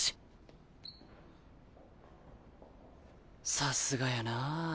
さすがやなぁ。